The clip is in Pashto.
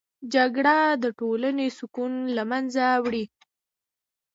جګړه د ټولنې سکون له منځه وړي